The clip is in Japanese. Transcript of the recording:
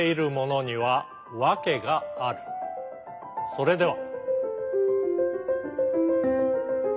それでは。